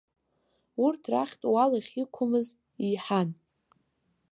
Урҭ рахьтә уал ахьиқәмыз еиҳан.